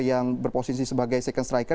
yang berposisi sebagai second striker